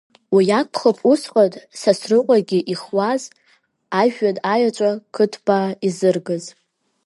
Уи акәхап усҟан Сасрыҟәагьы ихуаз, ажәҩан аеҵәа кыдԥаа изыргаз.